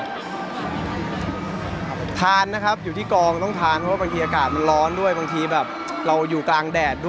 ทานเยอะแต่ก็ออกกำลังกายอยู่แล้วก็เลยไม่ได้กลัวอะไรครับผม